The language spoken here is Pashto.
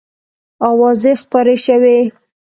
آوازې خپرې شوې.